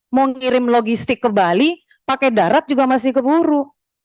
mau ngirim logistik ke bali pakai darat juga masih keburu